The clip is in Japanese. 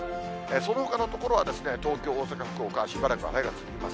そのほかの所は、東京、大阪、福岡、しばらく晴れが続きます。